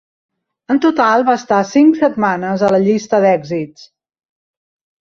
En total va estar cinc setmanes a la llista d'èxits.